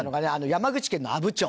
山口県の阿武町。